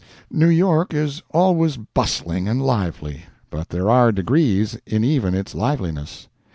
New York is always bustling and lively, but there are degrees in even its liveliness.